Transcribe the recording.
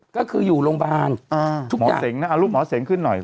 ก็คืออยู่โรงพยาบาลทุกหมอเสงนะเอาลูกหมอเสียงขึ้นหน่อย